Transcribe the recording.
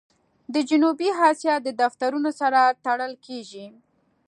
د جنوبي آسیا د دفترونو سره تړل کېږي.